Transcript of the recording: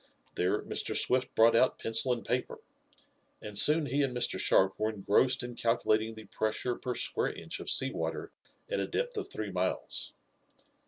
There Mr. Swift brought out pencil and paper, and soon he and Mr. Sharp were engrossed in calculating the pressure per square inch of sea water at a depth of three miles.